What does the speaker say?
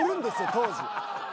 当時。